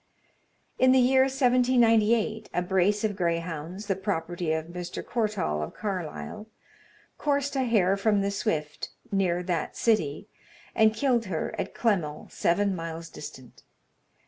In the year 1798, a brace of greyhounds, the property of Mr. Courtall of Carlisle, coursed a hare from the Swift, near that city, and killed her at Clemmell, seven miles distant.